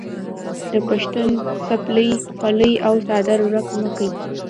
د پښتون څپلۍ، خولۍ او څادر ورک مه کې.